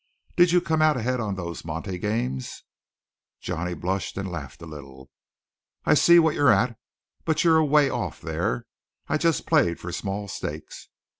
Did you come out ahead on those monte games?" Johnny blushed, and laughed a little. "I see what you're at, but you're away off there. I just played for small stakes."